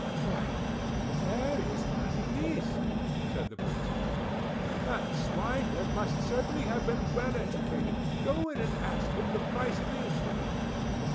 "Why there is my piece," said the Princess. "That swineherd must certainly have been well educated! Go in and ask him the price of the instrument."